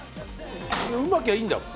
うまきゃいいんだもん。